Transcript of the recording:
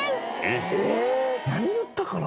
えっ何言ったかな？